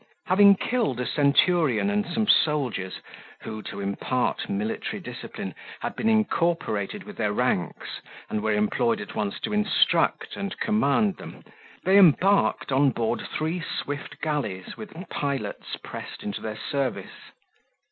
Having killed a centurion and some soldiers, who, to impart military discipline, had been incorporated with their ranks and were employed at once to instruct and command them, they embarked on board three swift galleys with pilots pressed into their service.